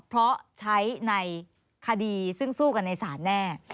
เพราะใช้ในคดีซึ่งสู้กันในศาลแน่